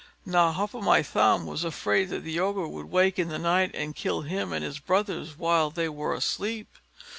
Now Hop o' my thumb was afraid that the Ogre would wake in the night and kill him and his brothers while they were asleep.